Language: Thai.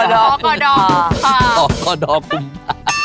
พกกกุมภา